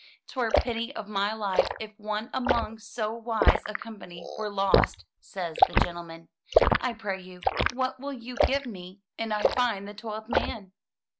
" Twere pity of my life if one among so wise a company were lost," says the gentleman. "I pray you, what will you give me an I find the twelfth man?"